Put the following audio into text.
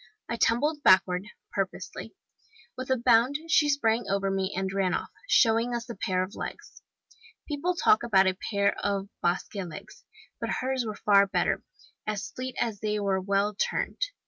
I tumbled backward, purposely. With a bound she sprang over me, and ran off, showing us a pair of legs! People talk about a pair of Basque legs! but hers were far better as fleet as they were well turned.